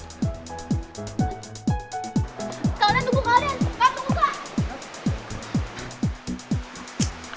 kak alden tunggu kak alden kak tunggu kak